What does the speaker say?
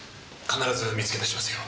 必ず見つけ出しますよ。